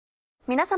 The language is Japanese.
皆様。